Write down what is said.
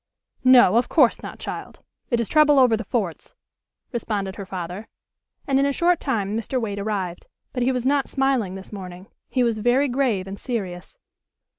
"No, of course not, child. It is trouble over the forts," responded her father. And in a short time Mr. Waite arrived. But he was not smiling this morning. He was very grave and serious.